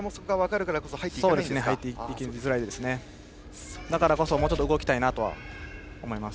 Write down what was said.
だからこそもうちょっと動きたいなと思います。